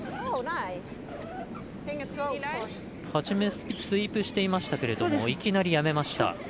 初めスイープしていましたけどいきなりやめました。